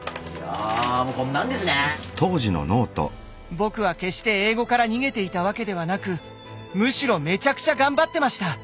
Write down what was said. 僕は決して英語から逃げていたわけではなくむしろめちゃくちゃ頑張ってました。